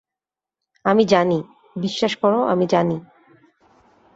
আমি জানি, বিশ্বাস কর-আমি জানি।